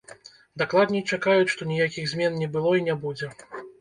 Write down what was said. Дакладней, чакаюць, што ніякіх змен не было і не будзе.